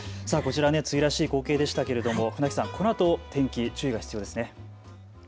梅雨らしい光景でしたけど船木さん、このあと天気注意が必要ですね。